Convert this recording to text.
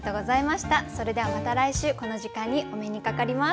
それではまた来週この時間にお目にかかります。